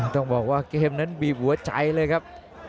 ต้องบอกว่าเกมนั้นบีบหัวใจเลยครับ